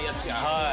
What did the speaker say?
はい。